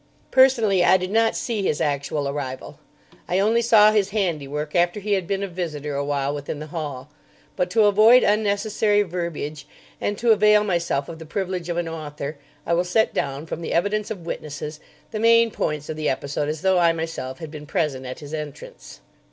Personally, I did not see his actual arrival. I only saw his handiwork after he had been a visitor awhile within the hall. But, to avoid unnecessary verbiage and to avail myself of the privilege of an author, I will set down, from the evidence of witnesses, the main points of the episode as though I myself had been present at his entrance.